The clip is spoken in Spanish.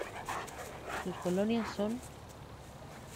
Sus colonias son